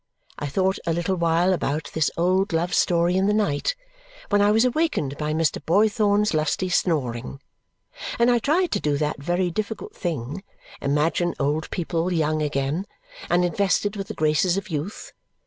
I thought a little while about this old love story in the night, when I was awakened by Mr. Boythorn's lusty snoring; and I tried to do that very difficult thing, imagine old people young again and invested with the graces of youth.